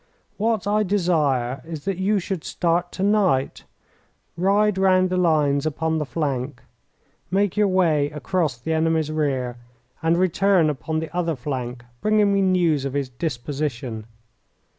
What I desire is that you should start tonight, ride round the lines upon the flank, make your way across the enemy's rear, and return upon the other flank, bringing me news of his disposition.